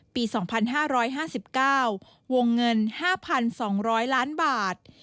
ปี๒๕๕๙วงเงิน๕๒๐๐ล้านบาท